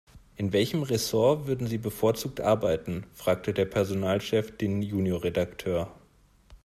In welchem Ressort würden Sie bevorzugt arbeiten?, fragte der Personalchef den Junior-Redakteur.